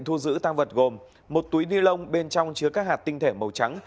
thu giữ tăng vật gồm một túi ni lông bên trong chứa các hạt tinh thể màu trắng